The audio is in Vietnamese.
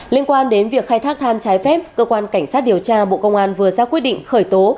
liên quan đến việc khai thác than trái phép cơ quan cảnh sát điều tra bộ công an vừa ra quyết định khởi tố